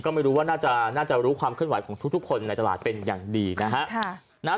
ก็ไม่รู้ว่าน่าจะรู้ความเคลื่อนไหวของทุกคนในตลาดเป็นอย่างดีนะฮะ